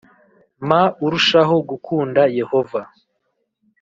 ma urushaho gukunda Yehova